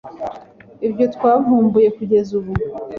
ibyo twavumbuye kugeza ubu